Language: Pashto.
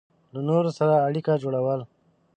له نورو سره اړیکې جوړول